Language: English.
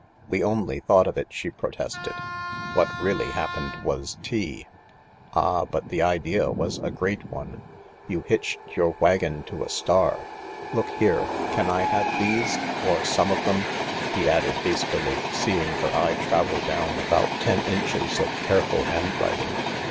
"We only thought of it," she protested; "what really happened was tea." " Ah, but the idea was a great one. You hitched your wagon to a star. Look here, can I have these, or some of them ?" he added hastily, seeing her eye travel down about ten inches of careful handwriting.